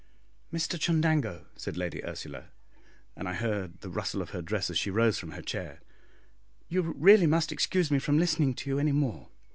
"Mr Chundango," said Lady Ursula, and I heard the rustle of her dress as she rose from her chair, "you really must excuse me from listening to you any more."